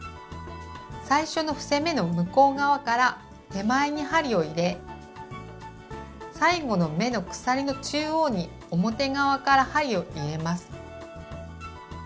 最初の伏せ目の向こう側から手前に針を入れ最後の目の鎖の中央に表側から針を入れます。